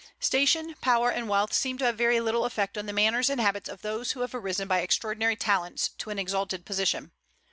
Station, power, and wealth seem to have very little effect on the manners and habits of those who have arisen by extraordinary talents to an exalted position.